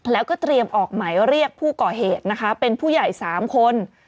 แล้วก็เตรียมออกหมายเรียกผู้ก่อเหตุนะคะเป็นผู้ใหญ่๓คน